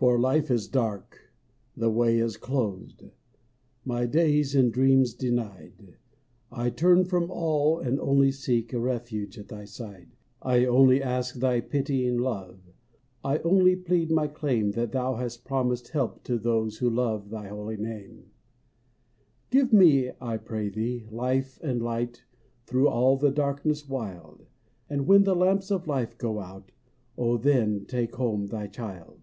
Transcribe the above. For hfe is dark, the way is closed ; My days and dreams denied. 1 turn from all and only seek A refuge at Thy side. I only ask Thy pitying love, I only plead my claim That Thou hast promised help to those Who love Thy holy name. Give me, I pray Thee, life and light Through all the darkness wild ; And when the lamps of life go out, Oh, then take home Thy child